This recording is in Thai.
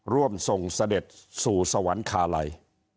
ร่วมส่งเสด็จสู่สวรรคาลัย